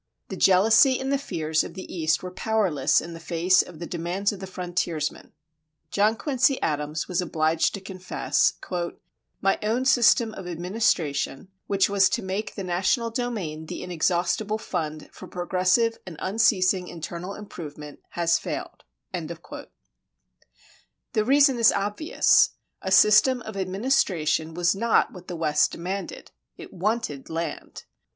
The jealousy and the fears of the East were powerless in the face of the demands of the frontiersmen. John Quincy Adams was obliged to confess: "My own system of administration, which was to make the national domain the inexhaustible fund for progressive and unceasing internal improvement, has failed." The reason is obvious; a system of administration was not what the West demanded; it wanted land.